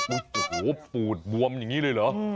โอ้โหปูดบวมอย่างนี้เลยเหรอ